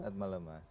selamat malam mas